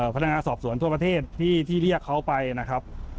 พนักงานสอบสวนทั่วประเทศที่เรียกเขาไปนะครับ